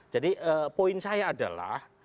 jadi poin saya adalah